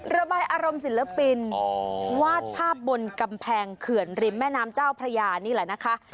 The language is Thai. ระบายอารมณ์ศิลปินวาดภาพบนกำแพงเขื่อนริมแม่น้ำเจ้าพระยานี่แหละนะคะ